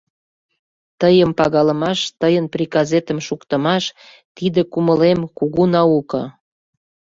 Тыйым пагалымаш, тыйын приказетым шуктымаш, — тиде, кумылем, кугу науко.